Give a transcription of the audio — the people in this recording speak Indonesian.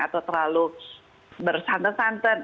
atau terlalu bersanten santen